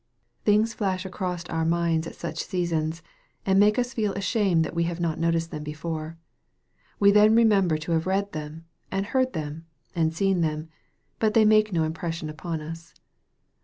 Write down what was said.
Things flash across our minds at such seasons, and make us feel ashamed that we had not noticed them before. We then remem ber to have read them, and heard them, and seen them, but they made no impression upon us.